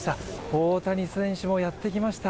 大谷選手もやってきました。